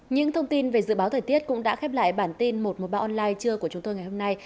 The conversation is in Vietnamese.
những thông tin về dự báo thời tiết cũng đã khép lại bản tin một trăm một mươi ba online trưa của chúng tôi ngày hôm nay